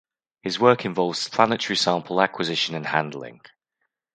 His work involves planetary sample acquisition and handling.